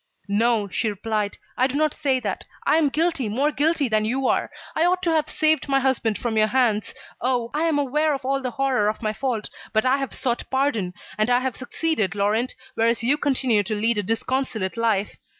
"No," she replied, "I do not say that. I am guilty, more guilty than you are. I ought to have saved my husband from your hands. Oh! I am aware of all the horror of my fault. But I have sought pardon, and I have succeeded, Laurent, whereas you continue to lead a disconsolate life.